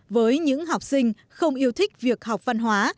với những học sinh không yêu thích việc học văn hóa